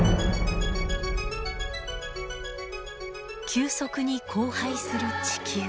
急速に荒廃する地球。